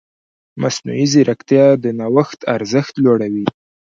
مصنوعي ځیرکتیا د نوښت ارزښت لوړوي.